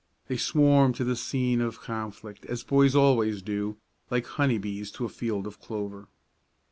They swarmed to the scene of conflict, as boys always do, like honey bees to a field of clover.